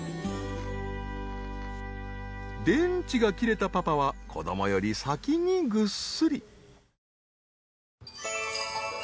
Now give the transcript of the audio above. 電池が切れたパパは子どもより先にぐっすり。